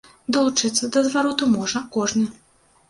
Далучыцца да звароту можа кожны.